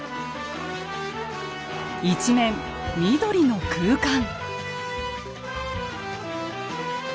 一面緑の空間。